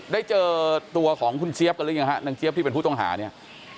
ได้เจอตัวของคุณเจี๊ยบกันหรือยังฮะนางเจี๊ยบที่เป็นผู้ต้องหาเนี่ย